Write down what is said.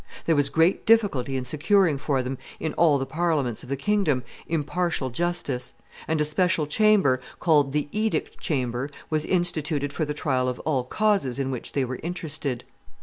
There was great difficulty in securing for them, in all the Parliaments of the kingdom, impartial justice; and a special chamber, called the edict chamber, was instituted for the trial of all causes in which they were interested.